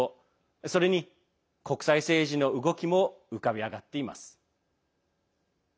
それに、国際政治の動きも浮かび上がっています。